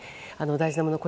大事なものを。